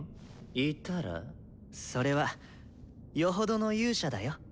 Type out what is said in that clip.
それはよほどの勇者だよ。